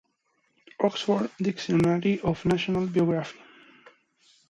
Oxford Dictionary of National Biography.